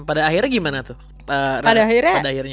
pada akhirnya gimana tuh